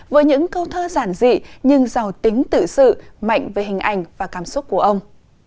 với những câu thơ giản dị nhưng giàu tính tự sự mạnh về hình ảnh và cảm xúc của ông